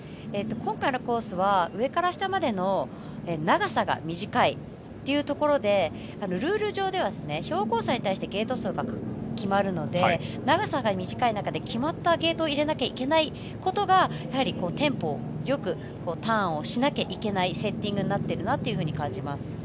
今回のコースは上から下までの長さが短いということでルール上では標高差に対してゲート数が決まるので長さが短い中で決まったゲートを入れなきゃいけないことがテンポよくターンをしなきゃいけないセッティングになっていると感じます。